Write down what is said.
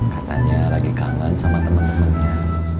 katanya lagi kangen sama teman temannya